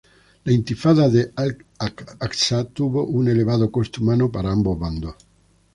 La Intifada de Al-Aqsa tuvo un elevado coste humano para ambos bandos.